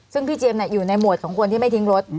ซึ่งพี่เจียมอยู่ในหมวดของคนที่ไม่ทิ้งรถ